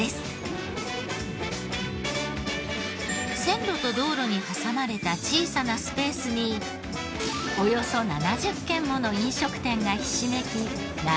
線路と道路に挟まれた小さなスペースにおよそ７０軒もの飲食店がひしめき並んでいます。